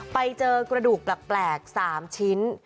ไปเจอกระดูกแปลก๓ชิ้น